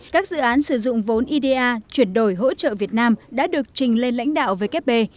các dự án sử dụng vốn ida chuyển đổi hỗ trợ việt nam đã được trình lên lãnh đạo vkp